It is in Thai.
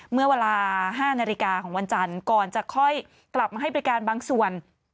เมื่อเวลา๕นาฬิกาของวันจันทร์ก่อนจะค่อยกลับมาให้บริการบางส่วน